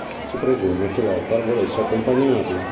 Si presume che Lothar volesse accompagnarlo.